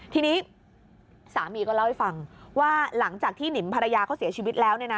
ทีนี้สามีก็เล่าให้ฟังว่าหลังจากที่หนิมภรรยาเขาเสียชีวิตแล้ว